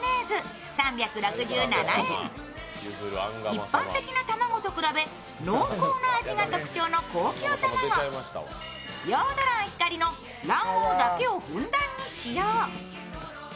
一般的な卵と比べ濃厚な味が特徴の高級卵ヨード卵・光の卵黄だけをふんだんに使用。